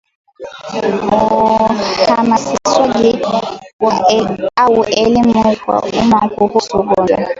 Uhamasishwaji au Elimu kwa umma kuhusu ugonjwa